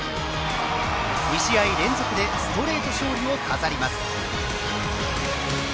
２試合連続でストレート勝利を飾ります。